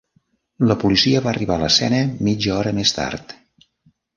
La policia va arribar a l'escena mitja hora més tard.